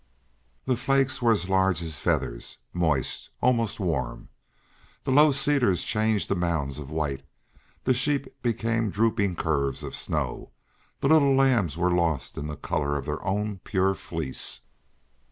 The flakes were as large as feathers, moist, almost warm. The low cedars changed to mounds of white; the sheep became drooping curves of snow; the little lambs were lost in the color of their own pure fleece.